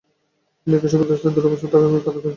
তিনি কৃষক ও উদ্বাস্তুদের দুরবস্থার কারণে তাড়িত হয়েছিলেন।